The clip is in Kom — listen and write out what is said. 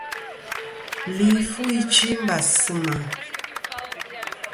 Li fu ichɨ i mbàs sɨ mà.